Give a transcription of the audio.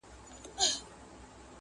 هېره چي یې نه کې پر ګرېوان حماسه ولیکه،